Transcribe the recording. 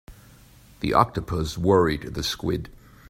The octopus worried the squid.